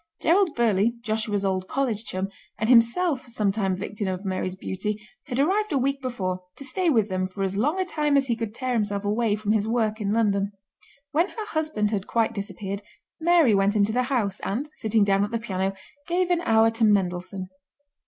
Gerald Burleigh, Joshua's old college chum, and himself a sometime victim of Mary's beauty, had arrived a week before, to stay with them for as long a time as he could tear himself away from his work in London. When her husband had quite disappeared Mary went into the house, and, sitting down at the piano, gave an hour to Mendelssohn.